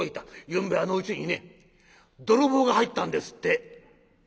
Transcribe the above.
ゆんべあのうちにね泥棒が入ったんですって」。